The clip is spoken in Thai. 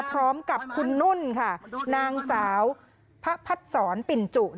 พร้อมกับคุณนุ่นค่ะนางสาวพระพัดศรปิ่นจุ